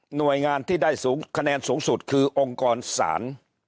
หน่วยงานที่ได้สูงคะแนนสูงสุดคือองค์กรศาล